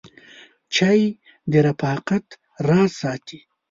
چای د رفاقت راز ساتي.